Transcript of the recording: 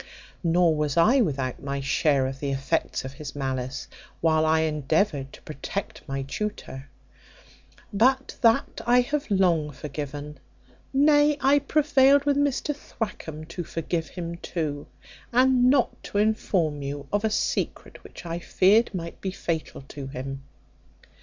Nor was I without my share of the effects of his malice, while I endeavoured to protect my tutor; but that I have long forgiven; nay, I prevailed with Mr Thwackum to forgive him too, and not to inform you of a secret which I feared might be fatal to him.